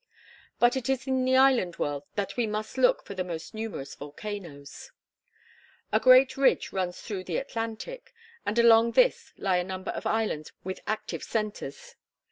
But it is in the island world that we must look for the most numerous volcanoes. A great ridge runs through the Atlantic; and along this lie a number of islands with active centres.